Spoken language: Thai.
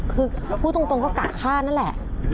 คือพูดตรงก็กะฆ่านั่นแหละ